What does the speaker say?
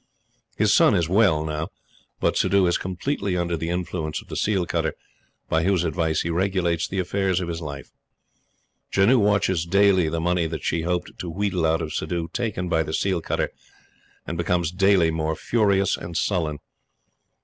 His son is well now; but Suddhoo is completely under the influence of the seal cutter, by whose advice he regulates the affairs of his life. Janoo watches daily the money that she hoped to wheedle out of Suddhoo taken by the seal cutter, and becomes daily more furious and sullen.